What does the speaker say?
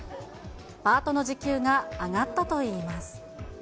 パートの時給が上がったといいます。